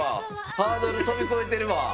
ハードル飛び越えてるわ！